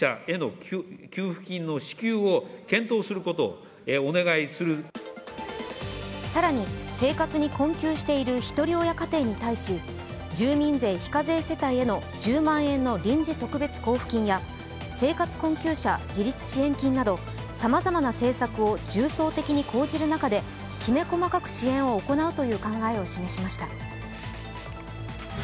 これに対し、岸田総理は更に生活に困窮しているひとり親家庭に対し住民税非課税世帯への１０万円の臨時特別交付金や生活困窮者自立支援金などさまざまな政策を重層的に講じる中できめ細かく支援を行うという考えを示しました。